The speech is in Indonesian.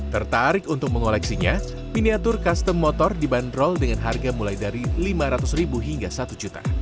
tertarik untuk mengoleksinya miniatur custom motor dibanderol dengan harga mulai dari lima ratus ribu hingga satu juta